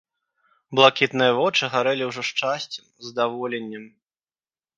Блакітныя вочы гарэлі ўжо шчасцем, здаволеннем.